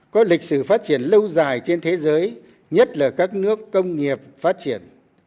có lịch sử phát triển lâu dài trên thế giới nhất là các nước công nghiệp phát triển